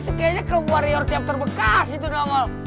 itu kayaknya kelompok warrior chapter bekas itu dong ol